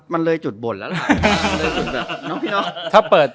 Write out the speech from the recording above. มันเลยจุดบ่นแล้วแหละ